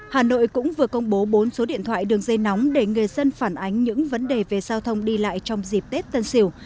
hà nội cũng vừa công bố bốn số điện thoại đường dây nóng để người dân phản ánh những vấn đề về giao thông đi lại trong dịp tết tân sỉu